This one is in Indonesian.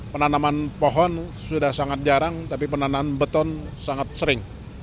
penanaman pohon sudah sangat jarang tapi penanaan beton sangat sering